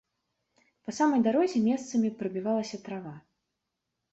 Па самай дарозе месцамі прабівалася трава.